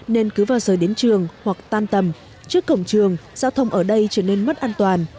nên cứ vào giờ đến trường hoặc tan tầm trước cổng trường giao thông ở đây trở nên mất an toàn